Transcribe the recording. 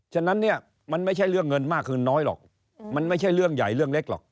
ฉะนั้นเนี่ยมันไม่ใช่เรื่องเงินมากคือน้อยหรอกมันไม่ใช่เรื่องใหญ่เรื่องเล็กหรอก